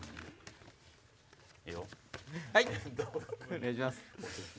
お願いします。